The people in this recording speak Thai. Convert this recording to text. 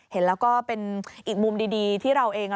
เห็นแล้วก็เป็นอีกมุมดีที่เราเอง